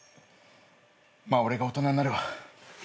まあ俺が大人になるわ。